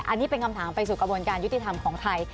อันนี้เป็นคำถามไปสู่กระบวนการยุติธรรมของไทย